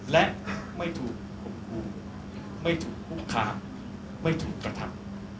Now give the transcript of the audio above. และไม่ถูกข่มขู่ไม่ถูกคุกคามไม่ถูกกระทำ